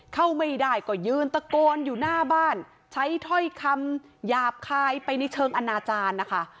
เข้าไม่ได้ก็ยืนตะโกนอยู่หน้าบ้านใช้ถ้อยคำหยาบคายไปในเชิงอนาจารย์นะคะ